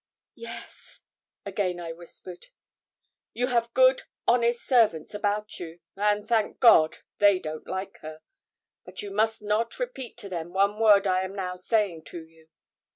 'Yes,' again I whispered. 'You have good, honest servants about you, and, thank God, they don't like her. But you must not repeat to them one word I am now saying to you.